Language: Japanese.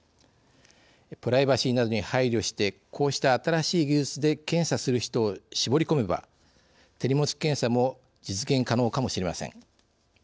プライバシーなどに配慮してこうした新しい技術で検査する人を絞り込めば手荷物検査も実現可能かもしれません。